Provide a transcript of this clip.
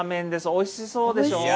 おいしそうでしょ。